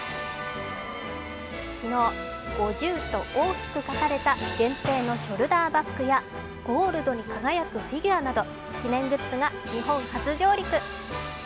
昨日、「５０」と大きく描かれた限定のショルダーバッグやゴールドに輝くフィギュアなど記念グッズが日本初上陸。